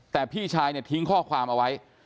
แต่พี่ชายเนี่ยทิ้งข้อความเอาไว้